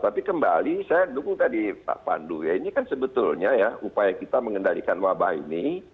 tapi kembali saya dukung tadi pak pandu ya ini kan sebetulnya ya upaya kita mengendalikan wabah ini